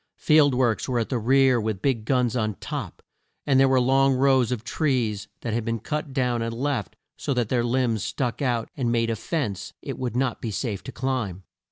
Field works were at the rear with big guns on top, and there were long rows of trees that had been cut down and left so that their limbs stuck out and made a fence it would not be safe to climb.